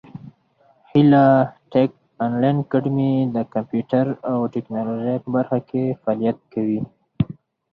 هیله ټېک انلاین اکاډمي د کامپیوټر او ټبکنالوژۍ په برخه کې فعالیت کوي.